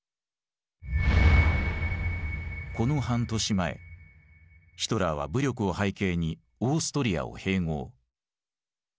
この半年前ヒトラーは武力を背景にオーストリアを併合。